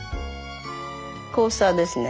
コースターですね。